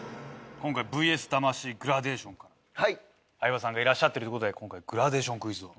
今回「ＶＳ魂グラデーション」から相葉さんがいらっしゃってるって事で今回グラデーションクイズを。